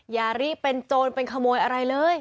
ยาริเป็นโจรเป็นขโมยอะไรเลย